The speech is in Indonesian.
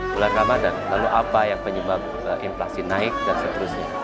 bulan ramadhan lalu apa yang penyebab inflasi naik dan seterusnya